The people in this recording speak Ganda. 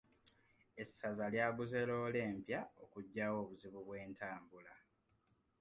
Esaza lyaguze loole empya okugyawo obuzibu bw'entambula.